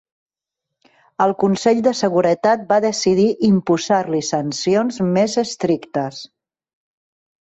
El Consell de Seguretat va decidir imposar-li sancions més estrictes.